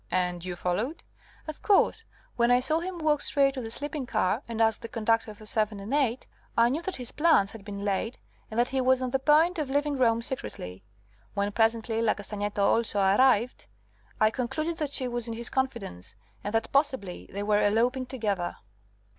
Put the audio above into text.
"And you followed?" "Of course. When I saw him walk straight to the sleeping car, and ask the conductor for 7 and 8, I knew that his plans had been laid, and that he was on the point of leaving Rome secretly. When, presently, La Castagneto also arrived, I concluded that she was in his confidence, and that possibly they were eloping together."